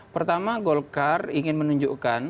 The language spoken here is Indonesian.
pertama golkar ingin menunjukkan